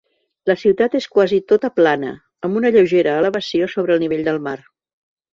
La ciutat és quasi tota plana, amb una lleugera elevació sobre el nivell del mar.